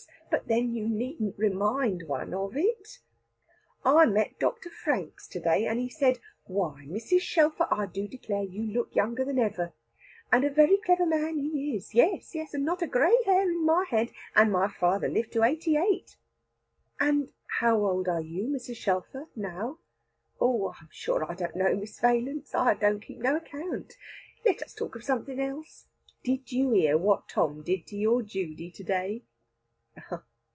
But then you needn't remind one of it. I met Doctor Franks to day, and he said, 'Why, Mrs. Shelfer, I do declare, you look younger than ever,' and a very clever man he is, yes, yes; and not a gray hair in my head, and my father lived to eighty eight." "And how old are you, Mrs. Shelfer, now?" "Oh I am sure I don't know, Miss Valence, I don't keep no account. Let us talk of something else. Did you hear what Tom did to your Judy to day?"